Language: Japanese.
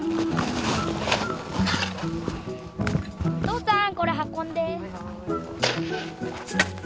父さんこれ運んで！